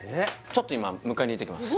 ちょっと今迎えにいってきます